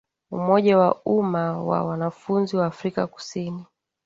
Umoja wa Umma wa Wanafunzi wa Afrika Kusini